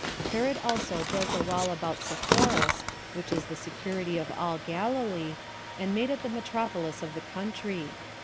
Herod also built a wall about Sepphoris, [which is the security of all Galilee,] and made it the metropolis of the country.